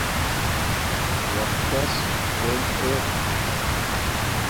وقت تس کوم ار